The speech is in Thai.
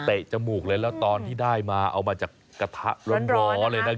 จมูกเลยแล้วตอนที่ได้มาเอามาจากกระทะร้อนเลยนะ